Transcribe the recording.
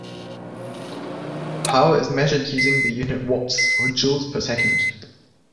Power is measured using the unit "watts", or "joules per second".